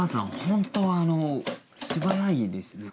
本当素早いですね。